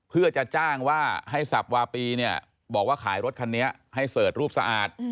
เพื่อจะจ้างว่าให้สับวาปีเนี่ยบอกว่าขายรถคันนี้ให้เสิร์ชรูปสะอาด